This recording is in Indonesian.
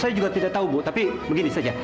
saya juga tidak tahu bu tapi begini saja